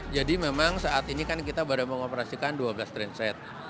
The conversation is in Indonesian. jadi memang saat ini kan kita baru mengoperasikan dua belas trainset